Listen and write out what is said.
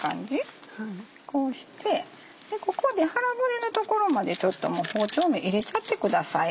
こうしてここで腹骨の所までちょっと包丁も入れちゃってください。